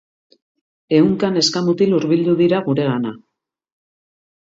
Ehunka neska mutil hurbildu dira guregana.